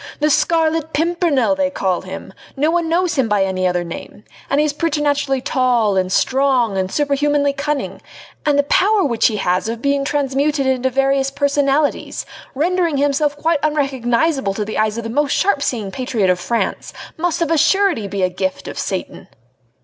The Scarlet Pimpernel they call him! No one knows him by any other name! and he is preternaturally tall and strong and superhumanly cunning! And the power which he has of being transmuted into various personalities rendering himself quite unrecognisable to the eyes of the most sharp seeing patriot of France, must of a surety be a gift of Satan!"